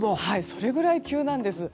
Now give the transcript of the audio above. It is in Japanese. それくらい急なんです。